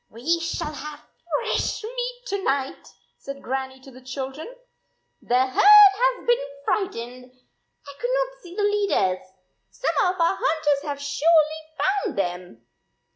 "We shall have fresh meat to night," said Grannie to the children. " The herd has been frightened. I could not see the leaders. Some of our hunters have surely found them."